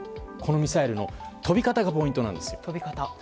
このミサイルの飛び方がポイントなんです。